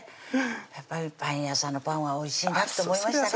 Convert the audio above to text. やっぱりパン屋さんのパンはおいしいなと思いましたね